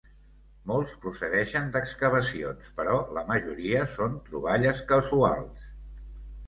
Molts procedeixen d'excavacions, però la majoria són troballes casuals.